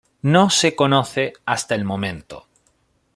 No se conoce, hasta el momento.